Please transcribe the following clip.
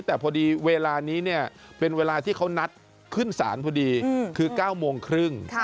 แต่พอดีเวลานี้เนี่ยเป็นเวลาที่เขานัดขึ้นศาลพอดีคือ๙โมงครึ่ง